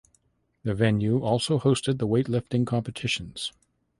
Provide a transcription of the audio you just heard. The venue also hosted the weightlifting competitions.